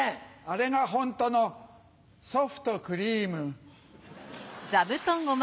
アレがホントのソフとクリーム。